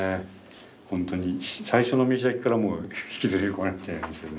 ほんとに最初の見開きからもう引きずり込まれちゃいますよね。